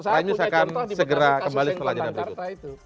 setelah ini saya akan segera kembali ke pelajaran berikut